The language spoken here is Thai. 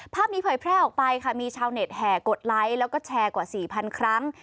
ภาพนี้เผยแพร่ออกไปค่ะมีชาวเน็ตแห่กดไลค์แล้วก็แชร์กว่าสี่พันครั้ง